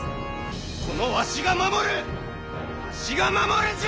このわしが守る、わしが守るんじゃ！